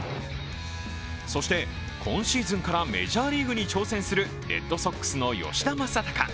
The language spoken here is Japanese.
そして、今シーズンからメジャーリーグに挑戦するレッドソックスの吉田正尚。